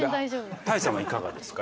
多江さんはいかがですか？